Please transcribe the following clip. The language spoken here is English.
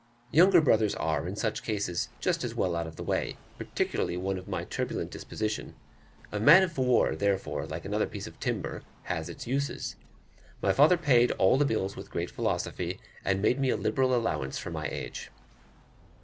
Younger brothers are, in such cases, just as well out of the way, particularly one of my turbulent disposition: a man of war, therefore, like another piece of timber, has its uses. My father paid all the bills with great philosophy, and made me a liberal allowance for my age.